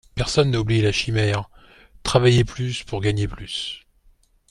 Personne n’a oublié la chimère « Travailler plus pour gagner plus.